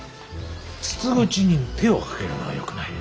筒口に手をかけるのはよくない。